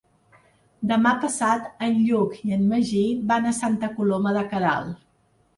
Demà passat en Lluc i en Magí van a Santa Coloma de Queralt.